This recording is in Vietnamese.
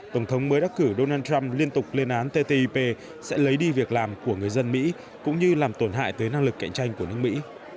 tổng thống mới đắc cử donald trump liên tục lên án ttip sẽ lấy đi việc làm của người dân mỹ cũng như làm tổn hại tới năng lực cạnh tranh của nước mỹ